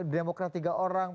demokrat tiga orang